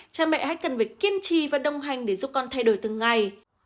cha mẹ hãy cần phải kiên trì và đồng hành để giúp con thay đổi từng ngày